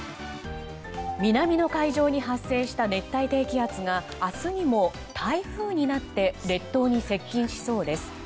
南の海上に発生した熱帯低気圧が明日にも台風になって列島に接近しそうです。